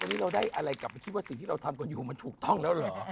วันนี้เราได้อะไรกลับมาคิดว่าสิ่งที่เราทำกันอยู่มันถูกต้องแล้วเหรอ